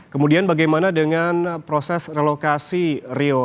kemudian bagaimana dengan proses relokasi rio